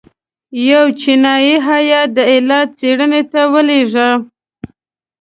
یو چینایي هیات د علت څېړنې ته ولېږه.